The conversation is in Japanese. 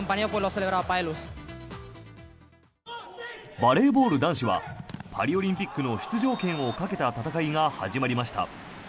バレーボール男子はパリオリンピックの出場権をかけた戦いが始まりました。